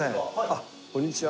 あっこんにちは。